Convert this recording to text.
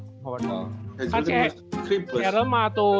kan kayak di seremah tuh